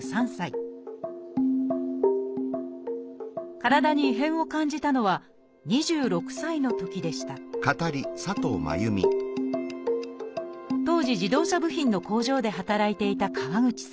体に異変を感じたのは２６歳のときでした当時自動車部品の工場で働いていた川口さん